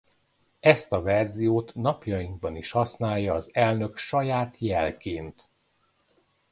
Ezt a verziót napjainkban is használja az elnök saját jelként.